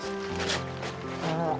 kau ada ya